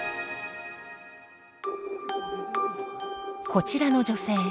こちらの女性。